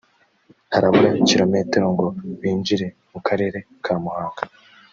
harabura kilometero ngo binjire mu Karere ka Muhanga